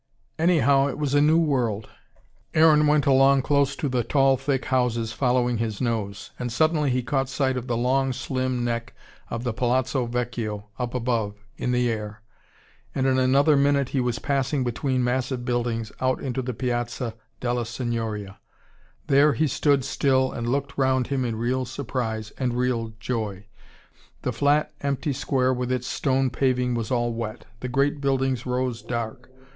Anyhow it was a new world. Aaron went along close to the tall thick houses, following his nose. And suddenly he caught sight of the long slim neck of the Palazzo Vecchio up above, in the air. And in another minute he was passing between massive buildings, out into the Piazza della Signoria. There he stood still and looked round him in real surprise, and real joy. The flat empty square with its stone paving was all wet. The great buildings rose dark.